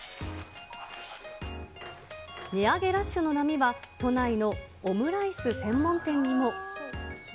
値上げラッシュの波は都内のオムライス専門店にも。